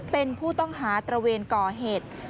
เป็นผู้ต้องหาตระเวนก่อเหตุ